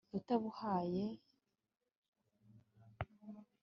utabuhaye (iyakaremye ni yo ikamena)